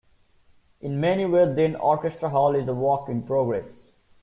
In many ways, then, Orchestra Hall is a work in progress.